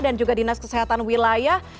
dan juga dinas kesehatan wilayah